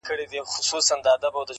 گرېـوانـونه به لانــــده كـــــــــړم.